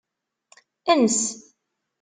Ens.